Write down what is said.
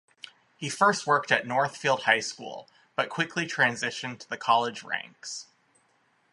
He first worked at Northfield High School but quickly transitioned to the college ranks.